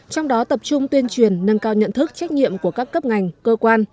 trong đó tập trung tuyên truyền nâng cao nhận thức trách nhiệm của các cấp ngành cơ quan